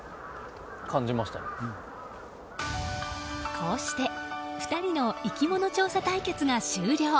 こうして２人の生き物調査対決が終了。